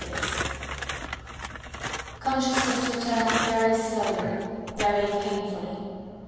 6 Consciousness returned very slowly, very painfully.